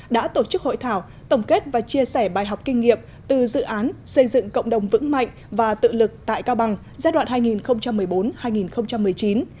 đã tổ chức hội thảo tổng kết và chia sẻ bài học kinh nghiệm từ dự án xây dựng cộng đồng vững mạnh và tự lực tại cao bằng giai đoạn hai nghìn một mươi bốn hai nghìn một mươi chín